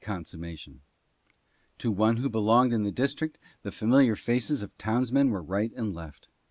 consummation. To one who belonged in the district, the famil iar faces of townsmen were right and left.